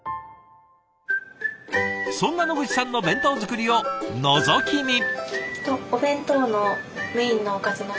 そんな野口さんの弁当作りをのぞき見。